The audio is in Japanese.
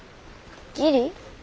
義理？